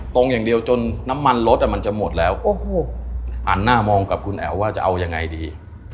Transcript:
อย่างเดียวจนน้ำมันรถอ่ะมันจะหมดแล้วโอ้โหหันหน้ามองกับคุณแอ๋วว่าจะเอายังไงดี